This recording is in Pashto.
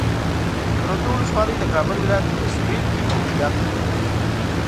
سروبي ولسوالۍ د کابل ولایت په سویل کې موقعیت لري.